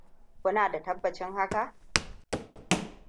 Kuna da tabbacin haka?